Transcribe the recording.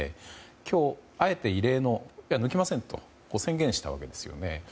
今日、あえて異例の抜きませんと宣言したわけですよね。